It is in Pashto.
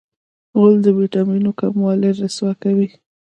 غول د وېټامینونو کموالی رسوا کوي.